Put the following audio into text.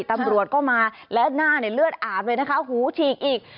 ตำรวจก็มาและหน้าเลือดอาบเลยนะคะหูฉีกอีก